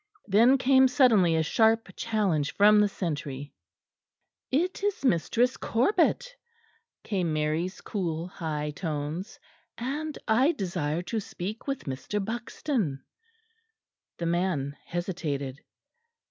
Then came suddenly a sharp challenge from the sentry. "It is Mistress Corbet," came Mary's cool high tones, "and I desire to speak with Mr. Buxton." The man hesitated.